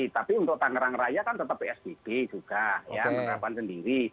tapi untuk tangerang raya kan tetap psbb juga ya menerapkan sendiri